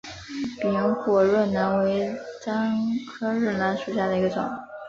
扁果润楠为樟科润楠属下的一个种。